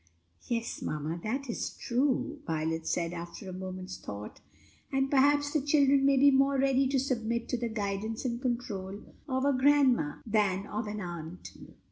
"Yes, mamma, that is true," Violet said, after a moment's thought; "and perhaps the children may be more ready to submit to the guidance and control of a grandma than of an aunt.